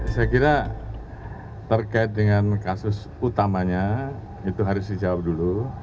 saya kira terkait dengan kasus utamanya itu harus dijawab dulu